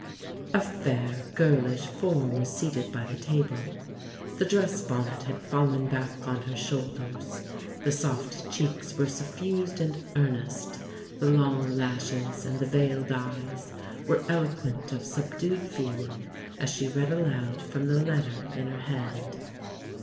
A fair, girlish form was seated by the table; the dress bonnet had fallen back on her shoulders, the soft cheeks were suffused and earnest, the long lashes and the veiled eyes were eloquent of subdued feeling, as she read aloud from the letter in her hand.